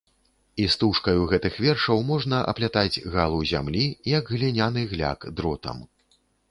Істужкаю гэтых вершаў можна аплятаць галу зямлі, як гліняны гляк дротам.